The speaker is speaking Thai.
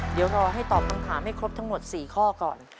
เดี๋ยวรอให้ตอบคำถามให้ครบทั้งหมด๔ข้อก่อน